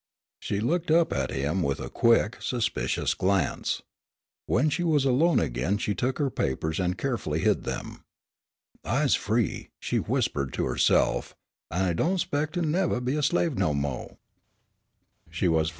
She looked up at him with a quick, suspicious glance. When she was alone again she took her papers and carefully hid them. "I's free," she whispered to herself, "an' I don' expec' to nevah be a slave no mo'."